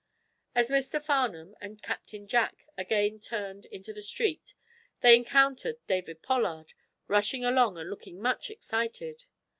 As Mr. Farnum and Captain Jack again turned into the street they encountered David Pollard, rushing along and looking much excited.